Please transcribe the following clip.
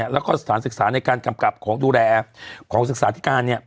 แล้วก็สถานศึกษาในการกำกับของดูแลของศึกษาธิการ